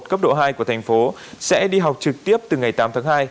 cấp độ hai của thành phố sẽ đi học trực tiếp từ ngày tám tháng hai